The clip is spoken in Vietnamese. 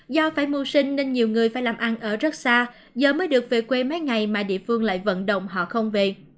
do phải mưu sinh nên nhiều người phải làm ăn ở rất xa giờ mới được về quê mấy ngày mà địa phương lại vận động họ không về